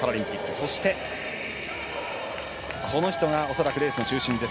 そして、この人が恐らくレースの中心です。